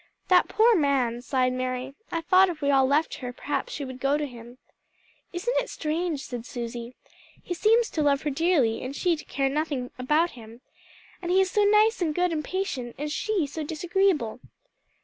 "That poor man!" sighed Mary. "I thought if we all left her, perhaps she would go to him." "Isn't it strange?" said Susie, "he seems to love her dearly, and she to care nothing about him. And he is so nice and good and patient, and she so disagreeable."